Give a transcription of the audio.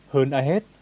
hơn ai hết